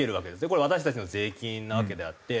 これ私たちの税金なわけであって。